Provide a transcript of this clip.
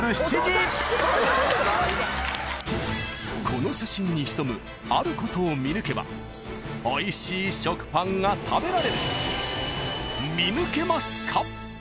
［この写真に潜むあることを見抜けばおいしい食パンが食べられる］